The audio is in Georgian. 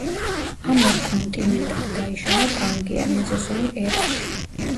ამ ორ კონტინენტად დაიშალა პანგეა მეზოზოურ ერაში.